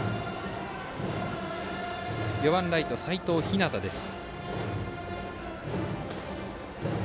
打席には４番ライト、齋藤陽です。